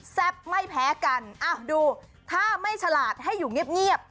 ไม่แพ้กันดูถ้าไม่ฉลาดให้อยู่เงียบ